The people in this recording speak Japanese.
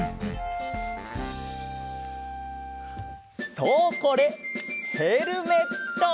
そうこれヘルメット！